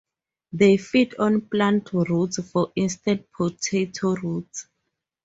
They feed on plant roots, for instance potato roots.